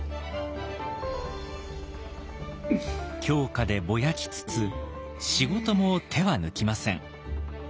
狂歌でぼやきつつ仕事も手は抜きません。